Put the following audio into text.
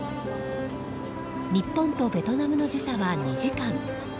日本とベトナムの時差は２時間。